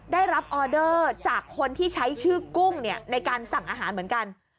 ได้รับออเดอร์จากคนที่ใช้ชื่อกุ้งในการสั่งอาหารเหมือนกัน